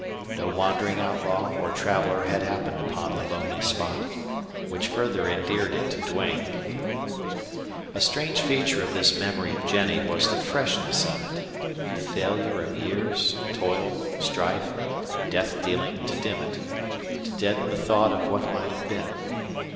No wandering outlaw or traveler had happened upon the lonely spot, which further endeared it to Duane. A strange feature of this memory of Jennie was the freshness of it the failure of years, toil, strife, death dealing to dim it to deaden the thought of what might have been.